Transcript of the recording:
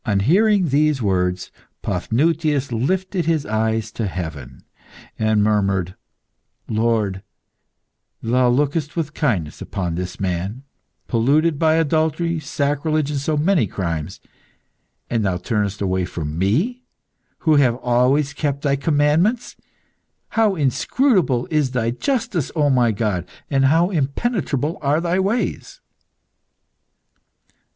On hearing these words, Paphnutius lifted his eyes to heaven and murmured "Lord, Thou lookest with kindness upon this man polluted by adultery, sacrilege, and so many crimes, and Thou turnest away from me, who have always kept Thy commandments! How inscrutable is Thy justice, O my God! and how impenetrable are Thy ways!"